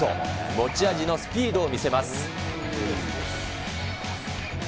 持ち味のスピードを見せます。